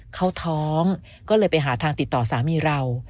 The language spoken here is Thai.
เขาท้องก็เลยไปหาทางติดต่อสามีเรา